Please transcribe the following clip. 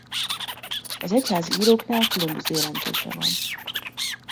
Az egyházi íróknál különböző jelentése van.